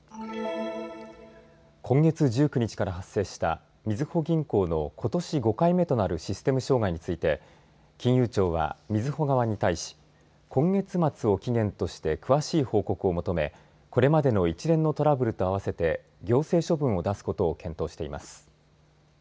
今月１９日から発生したみずほ銀行のことし５回目となるシステム障害について金融庁は、みずほ側に対し今月末を期限として詳しい報告を求めこれまでの一連のトラブルと合わせて行政処分を出すことを検討しています。